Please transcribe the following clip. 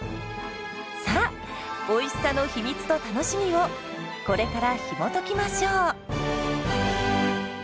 さあおいしさの秘密と楽しみをこれからひもときましょう！